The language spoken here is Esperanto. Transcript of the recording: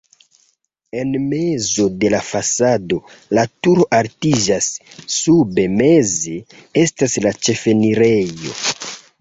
En mezo de la fasado la turo altiĝas, sube meze estas la ĉefenirejo.